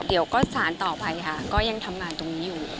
เดี๋ยวก็สารต่อไปค่ะก็ยังทำงานตรงนี้อยู่